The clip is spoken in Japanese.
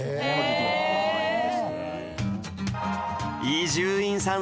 伊集院さん